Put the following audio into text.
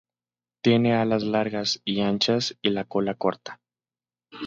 Tiene alas largas y anchas, y la cola corta.